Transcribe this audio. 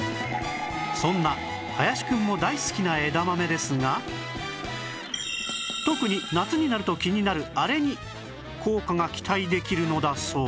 そんな林くんも大好きな枝豆ですが特に夏になると気になるあれに効果が期待できるのだそう